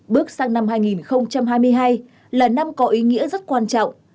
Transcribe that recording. bước sang năm hai nghìn hai mươi hai là năm có ý nghĩa rất quan trọng